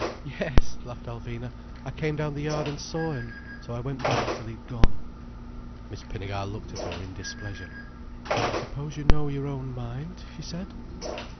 "Yes," laughed Alvina. "I came down the yard and saw him. So I went back till he'd gone." Miss Pinnegar looked at her in displeasure: "I suppose you know your own mind," she said.